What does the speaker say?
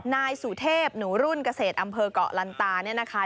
นายสุเทพหนูรุ่นเกษตรอำเภอกเกาะลันตาเนี่ยนะคะ